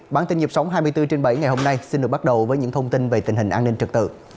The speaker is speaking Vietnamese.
bản tin nhịp sống hai mươi bốn trên bảy ngày hôm nay xin được bắt đầu với những thông tin về tình hình an ninh trật tự